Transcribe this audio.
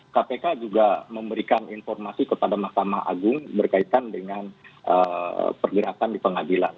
kpk juga memberikan informasi kepada mahkamah agung berkaitan dengan pergerakan di pengadilan